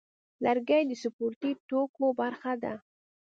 لرګی د سپورتي توکو برخه ده.